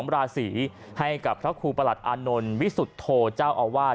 ราศีให้กับพระครูประหลัดอานนท์วิสุทธโธเจ้าอาวาส